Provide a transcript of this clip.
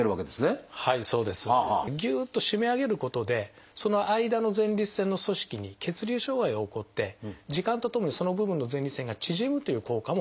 はいそうです。ギュッと締め上げることでその間の前立腺の組織に血流障害が起こって時間とともにその部分の前立腺が縮むという効果もあります。